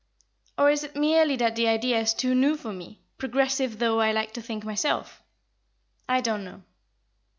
Or is it merely that the idea is too new for me, progressive though I like to think myself? I don't know.